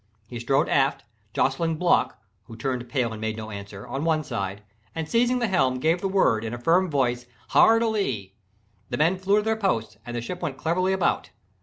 He strode aft, jostling Block (who turned pale and made no answer) on one side, and seizing the helm, gave the word, in a firm voice, Hard a lee! The men flew to their posts, and the ship went cleverly about.